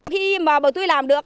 khi mà bà tôi làm được